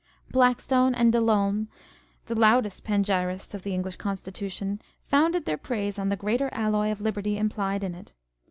Blackstone and De Lolme (the loudest panegyrists of the English Constitution) founded their praise on the greater alloy of Liberty implied in it.